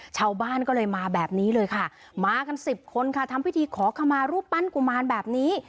ชาวบ้านก็เลยมาแบบนี้เลยค่ะมากันสิบคนค่ะทำพิธีขอขมารูปปั้นกุมารแบบนี้